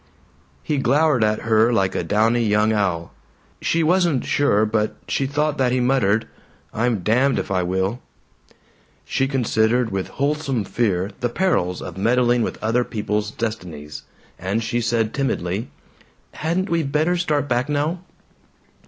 He glowered at her like a downy young owl. She wasn't sure but she thought that he muttered, "I'm damned if I will." She considered with wholesome fear the perils of meddling with other people's destinies, and she said timidly, "Hadn't we better start back now?"